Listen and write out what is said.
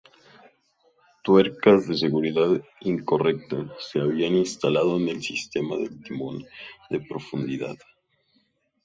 Tuercas de seguridad incorrectas se habían instalado en el sistema del timón de profundidad.